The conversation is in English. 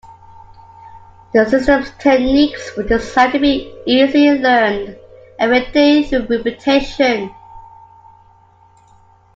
The system's techniques were designed to be easily learned and retained through repetition.